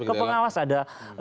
ke pengawas ada